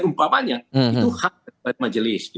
itu hak dari majelis